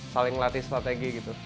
saling latih strategi gitu